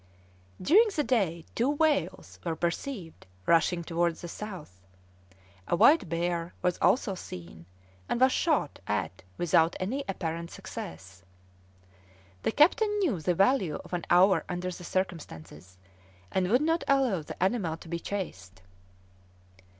During the day two whales were perceived rushing towards the south; a white bear was also seen, and was shot at without any apparent success. The captain knew the value of an hour under the circumstances, and would not allow the animal to be chased.